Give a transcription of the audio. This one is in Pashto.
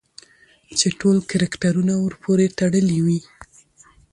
چې ټول کرکټرونه ورپورې تړلي وي